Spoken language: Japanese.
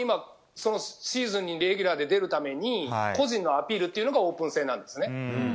シーズンにレギュラーで出るために個人のアピールをするのがオープン戦なんですね。